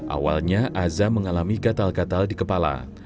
awalnya aza mengalami gatal gatal di kepala